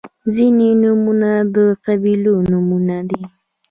• ځینې نومونه د قبیلو نومونه دي.